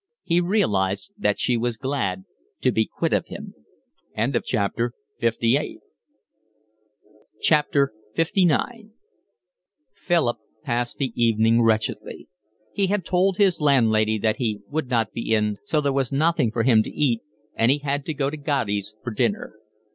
He realised that she was glad to be quit of him. LIX Philip passed the evening wretchedly. He had told his landlady that he would not be in, so there was nothing for him to eat, and he had to go to Gatti's for dinner.